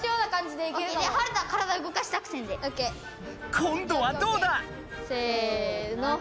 今度はどうだ⁉せの。